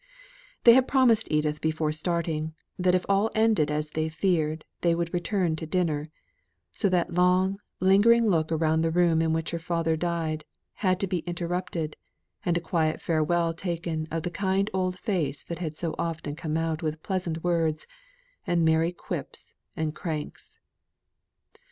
They had promised Edith before starting, that if all had ended as they feared, they would return to dinner; so that long, lingering look around the room in which her father had died, had to be interrupted, and a quiet farewell taken of the kind old face that had so often come out with pleasant words, and merry quips and cranks.